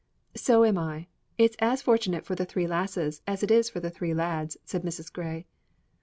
"So am I; it's as fortunate for the three lassies as it is for the three lads," said Mrs. Grey.